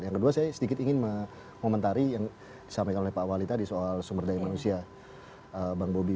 yang kedua saya sedikit ingin mengomentari yang disampaikan oleh pak wali tadi soal sumber daya manusia bang bobi